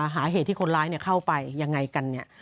หาเหตุที่คนร้ายเนี่ยเข้าไปยังไงกันนี้